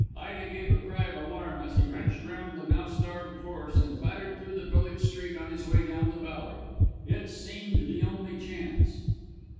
Ida gave a cry of alarm as he wrenched round the now startled horse and clattered through the village street on his way down the valley. It seemed the only chance.